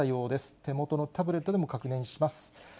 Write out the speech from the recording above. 手元のタブレットでも確認します。